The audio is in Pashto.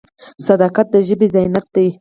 صداقت د ژبې زینت دی.